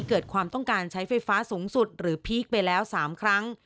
เกิดความต้องการใช้ไฟฟ้าสูงสุดหรือพีคไปแล้ว๓ครั้ง